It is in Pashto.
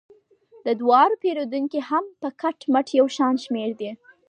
د دواړو پیرودونکي هم په کټ مټ یو شان شمیر دي.